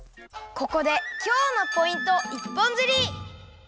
ここで「今日のポイント一本釣り！」。